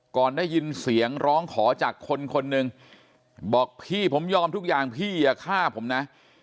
ก่อนได้ยินเสียงร้องขอจากคนคนหนึ่งบอกพี่ผมยอมทุกอย่างพี่อย่าฆ่าผมนะ